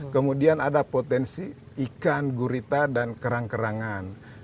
kemudian ada potensi ikan gurita dan kerang kerangan